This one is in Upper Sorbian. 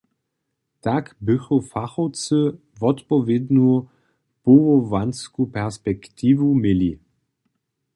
Tak bychu fachowcy wotpowědnu powołansku perspektiwu měli.